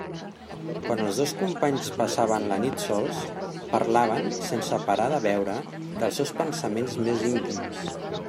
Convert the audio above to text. Quan els dos companys passaven la nit sols, parlaven, sense parar de beure, dels seus pensaments més íntims.